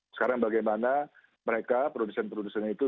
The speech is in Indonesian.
sekarang bagaimana mereka produsen produsen itu